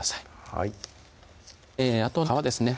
はいあと皮ですね